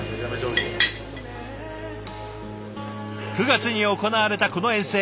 ９月に行われたこの遠征。